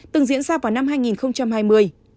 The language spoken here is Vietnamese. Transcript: từng diễn ra vào năm hai nghìn hai mươi